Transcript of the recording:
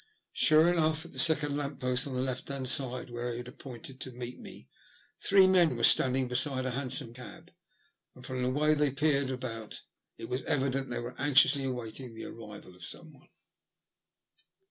Sure enough at the second lamp post on the left hand side, where he had appointed to meet me, three men were standing beside a hansom cab, and from the way they peered about, it was evident they were anxiously awaiting the arrival of someone.